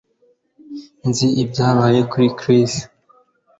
Nzi ibyabaye kuri Chris